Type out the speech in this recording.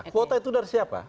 kuota itu dari siapa